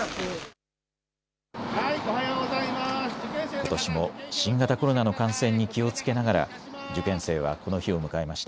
ことしも新型コロナの感染に気をつけながら受験生はこの日を迎えました。